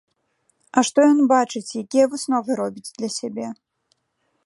А што ён бачыць, якія высновы робіць для сябе?